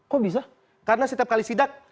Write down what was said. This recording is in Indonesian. kok bisa karena setiap kali sidak